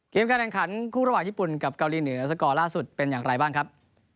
การแข่งขันคู่ระหว่างญี่ปุ่นกับเกาหลีเหนือสกอร์ล่าสุดเป็นอย่างไรบ้างครับ